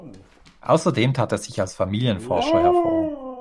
Außerdem tat er sich als Familienforscher hervor.